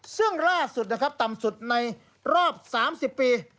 ซึ่งล่าสุดนะครับต่ำสุดในรอบ๓๐ปี